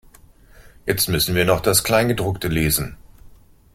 Jetzt müssen wir noch das Kleingedruckte lesen.